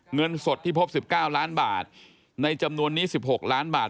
เงินสดที่พบ๑๙ล้านบาทในจำนวนนี้๑๖ล้านบาท